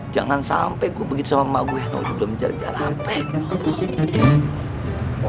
jangan sampai gue begitu sama emak gue belum jarak jarak apa ya